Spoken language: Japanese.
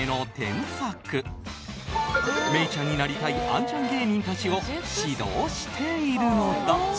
メイちゃんになりたいアンちゃん芸人たちを指導しているのだ。